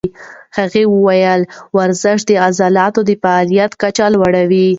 هغې وویل ورزش د عضلو د فعالیت کچه لوړوي.